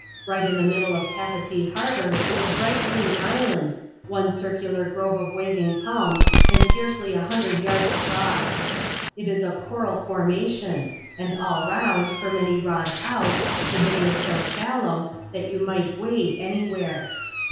Right in the middle of Papectec harbour is a bright green island, one circular grove of waving palms, and scarcely a lumdred yards across. It is of coral formation ; and all round, fir many rods out, the bay is so shallow, that you might wade anywhere.